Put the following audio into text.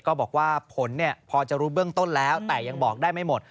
ก็บอกว่าผลพอจะรู้เบื้องต้นแล้วแต่ยังบอกได้ไม่หมด